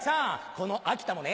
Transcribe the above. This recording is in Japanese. この秋田もね